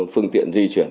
phương tiện di chuyển